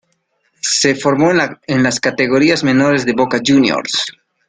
Se formó en las categorías menores de Boca Juniors.